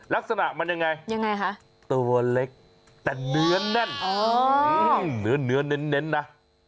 ลักษณะมันยังไงยังไงคะตัวเล็กแต่เนื้อแน่นเนื้อเน้นนะ